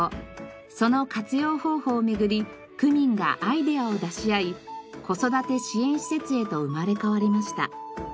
その活用方法を巡り区民がアイデアを出し合い子育て支援施設へと生まれ変わりました。